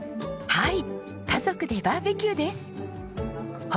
はい。